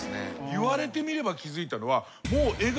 言われてみれば気付いたのは。